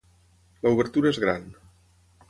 L'obertura és gran.